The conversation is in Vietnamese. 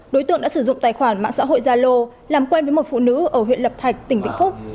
đối tượng đã sử dụng tài khoản mạng xã hội gia lô làm quen với một phụ nữ ở huyện lập thạch tỉnh vĩnh phúc